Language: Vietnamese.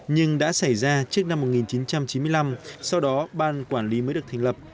nhưng đã xảy ra trước năm một nghìn chín trăm chín mươi năm sau đó ban quản lý mới được thành lập